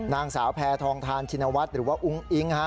นางสาวแพทองทานชินวัฒน์หรือว่าอุ้งอิ๊งฮะ